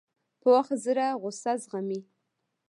پوخ زړه غصه زغمي